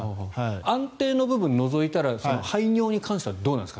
安定の部分をのぞいたら排尿に関してはどうなんですか？